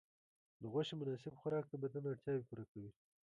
د غوښې مناسب خوراک د بدن اړتیاوې پوره کوي.